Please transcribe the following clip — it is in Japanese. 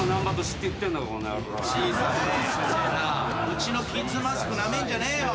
うちのキッズマスクなめんじゃねえよ。